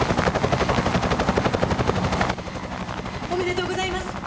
おめでとうございます！